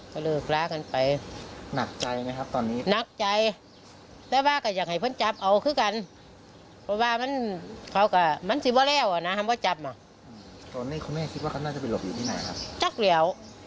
ก็เลิกล้ากันไปหนักใจไหมครับตอนนี้หนักใจ